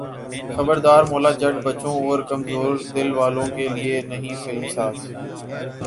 خبردار مولا جٹ بچوں اور کمزور دل والوں کے لیے نہیں فلم ساز